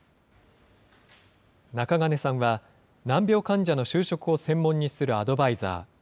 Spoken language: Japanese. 中金さんは、難病患者の就職を専門にするアドバイザー。